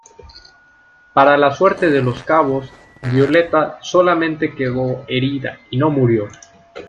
Para la suerte de los cabos, Violeta solamente quedo herida y no murió.